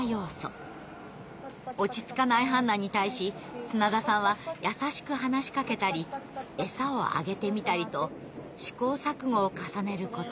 落ち着かないハンナに対し砂田さんは優しく話しかけたり餌をあげてみたりと試行錯誤を重ねること２０分。